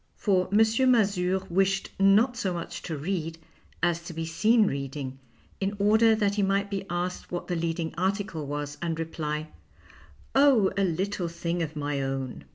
For M. Mazure wished not so much to read as to be seen reading, in order that he might be asked what the leading article was and reply, " Oh, a little thing of my own."